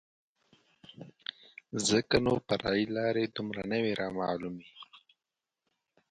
ځکه نو فرعي لارې دومره نه وې رامعلومې.